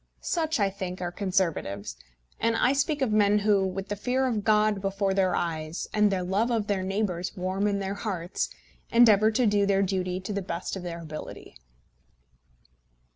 Such, I think, are Conservatives; and I speak of men who, with the fear of God before their eyes and the love of their neighbours warm in their hearts, endeavour to do their duty to the best of their ability.